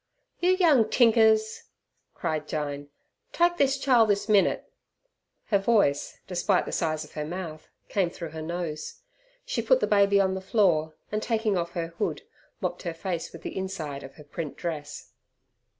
"You young tinkers," cried Jyne, "tyke this chile this minute." Her voice, despite the size of her mouth, came through her nose. She put the baby on the floor, and, taking off her hood, mopped her face with the inside of her print dress.